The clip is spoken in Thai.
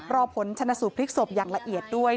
รอผลชนสูตรพลิกศพอย่างละเอียดด้วย